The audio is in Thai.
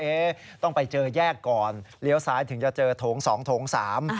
ต้องไปเจอแยกก่อนเลี้ยวซ้ายถึงจะเจอโถงสองโถงสาม